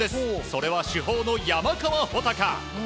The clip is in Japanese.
それは主砲の山川穂高。